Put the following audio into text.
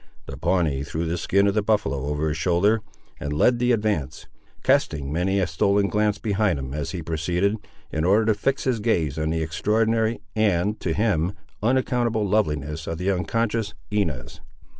The Pawnee threw the skin of the buffaloe over his shoulder and led the advance, casting many a stolen glance behind him as he proceeded, in order to fix his gaze on the extraordinary and, to him, unaccountable loveliness of the unconscious Inez.